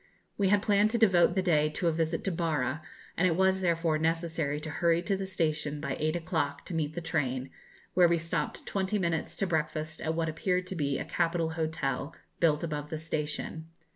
We had planned to devote the day to a visit to Barra, and it was, therefore, necessary to hurry to the station by eight o'clock to meet the train, where we stopped twenty minutes to breakfast at what appeared to be a capital hotel, built above the station.